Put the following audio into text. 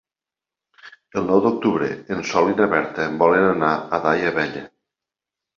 El nou d'octubre en Sol i na Berta volen anar a Daia Vella.